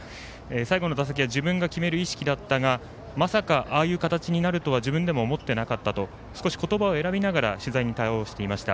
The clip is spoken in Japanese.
最後の打席は自分が決める意識だったがまさかああいう形になると自分では思ってなかったと少し言葉を選びながら取材に対応していました。